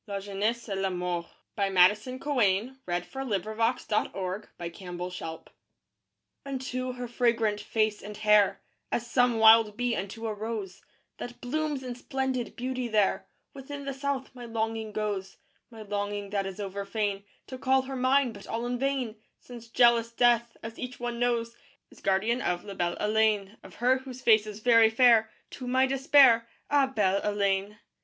arm the waist you treasure Lift the cup and drink to Pleasure. LA JEUNESSE ET LA MORT I Unto her fragrant face and hair, As some wild bee unto a rose, That blooms in splendid beauty there Within the South, my longing goes: My longing, that is overfain To call her mine, but all in vain; Since jealous Death, as each one knows, Is guardian of La belle Heléne; Of her whose face is very fair To my despair, Ah, belle Heléne.